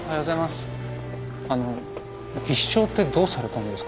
あの技師長ってどうされたんですか？